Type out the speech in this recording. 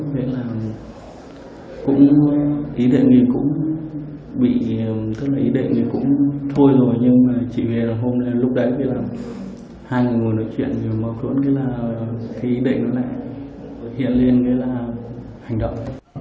vậy là gọi điện lại dần dần dần